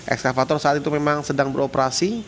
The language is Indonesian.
ekskavator saat itu memang sedang beroperasi